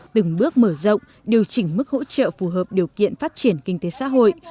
từng bước mở rộng điều chỉnh mức hỗ trợ phù hợp điều kiện phát triển kinh tế xã hội